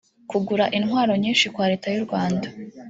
Kugura intwaro nyinshi kwa Leta y’u Rwanda